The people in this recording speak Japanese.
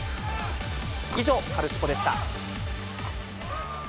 以上、カルスポっ！でした。